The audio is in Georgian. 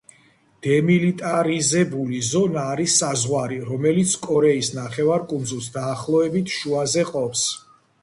დემილიტარიზებული ზონა არის საზღვარი, რომელიც კორეის ნახევარკუნძულს დაახლოებით შუაზე ყოფს.